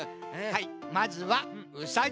はい。